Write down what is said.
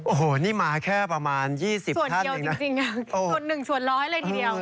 โอ้โหนี่มาแค่ประมาณ๒๐ส่วนเดียวจริงส่วนหนึ่งส่วนร้อยเลยทีเดียว